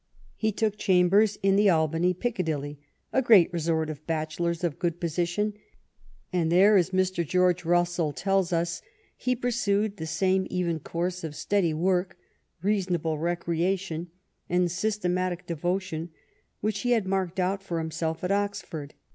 He took chambers in the Albany, Pic cadilly, a great resort of bachelors of good posi tion, and there, as Mr. George Russell tells us, '' he pursued the same even course of steady work, reasonable recreation, and systematic de votion which he had marked out for himself at Oxford."